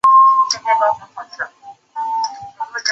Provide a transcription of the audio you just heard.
戴菊为戴菊科戴菊属的鸟类。